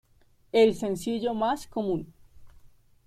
El sencillo más común.